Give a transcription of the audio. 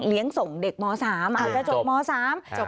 เลี้ยงส่งเด็กม๓อาจจะจบม๓